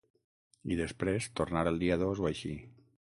I després tornar el dia dos o així.